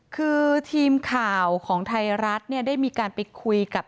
คือทีมข่าวของไทยรัฐเนี่ยได้มีการไปคุยกับ